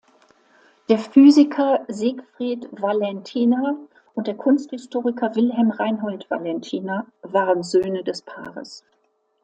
Der Physiker Siegfried Valentiner und der Kunsthistoriker Wilhelm Reinhold Valentiner waren Söhne des Paares.